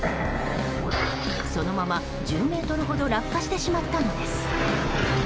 そのまま１０ｍほど落下してしまったのです。